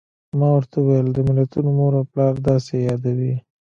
ما ورته وویل: د ملتونو مور او پلار، داسې یې یادوي.